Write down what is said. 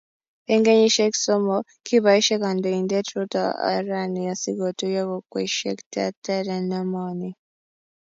Eng kenyisiek somok, kiboishee kandoindet Ruto orani asikotuyo kokwesiek terter eng emoni